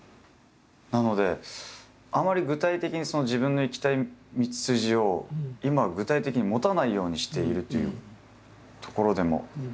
なのであまり具体的に自分の行きたい道筋を今具体的に持たないようにしているというところでもあるんですけれども。